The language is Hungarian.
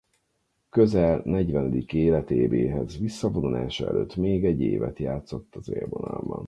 Közel negyvenedik életévéhez visszavonulása előtt még egy évet játszott az élvonalban.